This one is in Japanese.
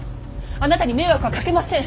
あなたに迷惑はかけません。